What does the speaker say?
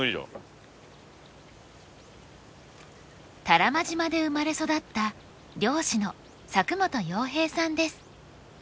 多良間島で生まれ育った漁師の佐久本洋平さんです。